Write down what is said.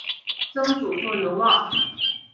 曾祖父刘旺。